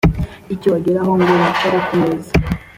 icyo ageraho ngo yicare kumeza